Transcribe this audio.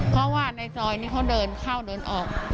เพราะว่าในซอยนี้เขาเดินเข้าเดินออก